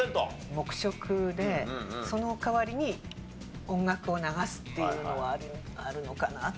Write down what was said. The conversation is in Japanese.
黙食でその代わりに音楽を流すっていうのはあるのかなと。